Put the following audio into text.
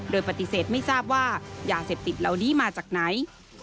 โดยปฏิเสธไม่ทราบว่ายาเสพติดเหล่านี้มาจากไหน